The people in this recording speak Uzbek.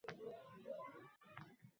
Vatanini, insoniyatni